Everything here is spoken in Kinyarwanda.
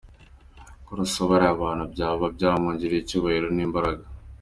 Kurasa bariya bantu byaba byamwongereye icyubahiro n’imbaraga?